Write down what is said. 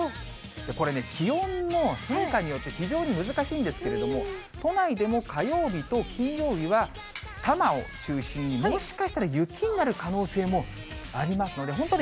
これね、気温の変化によって非常に難しいんですけれども、都内でも火曜日と金曜日は、多摩を中心にもしかしたら雪になる可能性もありますので、本当ね、